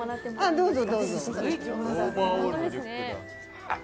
どうぞどうぞ。